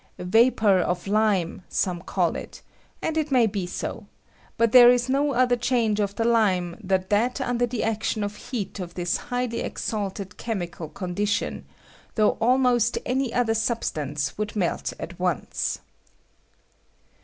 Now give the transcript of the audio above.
" Va por of lime" some call it, and it may be so ; but there ia no other change of the lime than that i. ADVANTAGE OF THE BLOWPIPE, 207 under the action of heat of thia highly esalted chemical condition, though almost any other substance would melt at once.